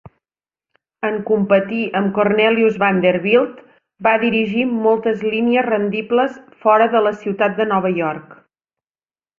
En competir amb Cornelius Vanderbilt, va dirigir moltes línies rendibles fora de la ciutat de Nova York.